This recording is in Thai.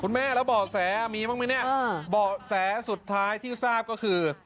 คุณแม่แล้วบอกแสมีมึงไหมเนี้ยอ๋อบอกแสสุดท้ายที่ทราบก็คือ